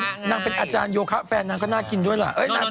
นางเป็นอาจารยโยคะแฟนนางก็น่ากินด้วยล่ะ